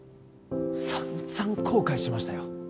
さんざん後悔しましたよ